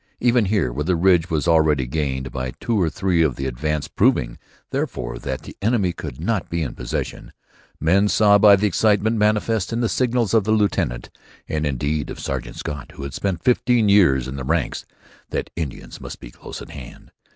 Even here where the ridge was already gained by two or three of the advance, proving, therefore, that the enemy could not be in possession, men saw by the excitement manifest in the signals of the lieutenant, and indeed of Sergeant Scott, who had spent fifteen years in the ranks, that Indians must be close at hand.